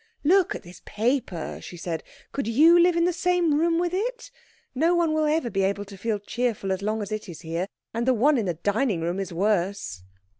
"Look at this paper," she said, "could you live in the same room with it? No one will ever be able to feel cheerful as long as it is here. And the one in the dining room is worse."